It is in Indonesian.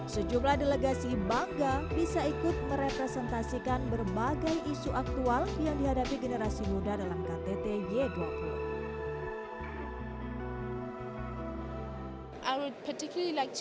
sejumlah delegasi bangga bisa ikut merepresentasikan berbagai isu aktual yang dihadapi generasi muda dalam ktt g dua puluh